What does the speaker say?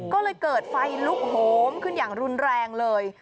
ก็เลยเกิดไฟลุกโหมขึ้นอย่างรุนแรงเลย